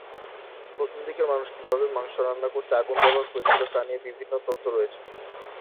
প্রথম দিকের মানুষ কীভাবে মাংস রান্না করতে আগুন ব্যবহার করেছিল তা নিয়ে বিভিন্ন তত্ত্ব রয়েছে।